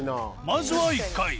まずは１階。